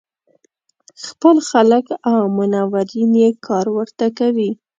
خپل خلک او منورین یې کار ورته کوي.